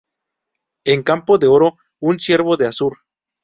En campo de oro, un ciervo de azur.